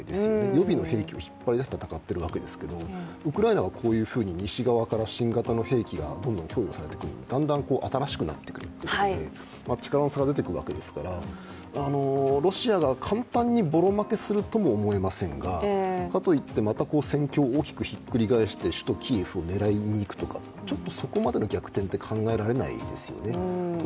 呼びの兵器を引っ張り出して戦っているわけですが、ウクライナは西側から新型の兵器がどんどん供与されてくるのでだんだん新しくなってくるというところで力の差が出てくるわけですからロシアが簡単にぼろ負けするとも思えませんがかといってまた戦況を大きくひっくり返して首都キーウを狙いにいくとかいう、そこまでの逆転までは考えられないですよね。